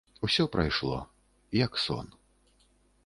Усё прайшло, як сон.